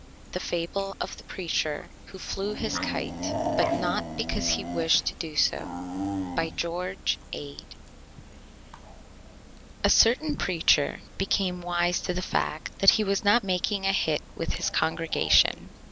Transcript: THE FABLE OF THE PREACHER WHO FLEW HIS KITE, BUT NOT BECAUSE HE WISHED TO DO SO By GEORGE ADE Copyright 1899 by Herbert S. Stone & Co. A certain Preacher became wise to the Fact that he was not making a Hit with his Congregation.